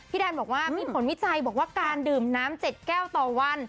แดนบอกว่ามีผลวิจัยบอกว่าการดื่มน้ำ๗แก้วต่อวัน